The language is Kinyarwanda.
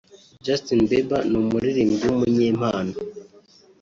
Justin Bieber ni umuririmbyi w’umunyempano